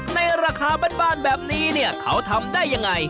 ในราคาบ้านแบบนี้เขาทำได้อย่างไร